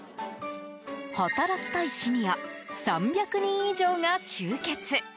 働きたいシニア３００人以上が集結。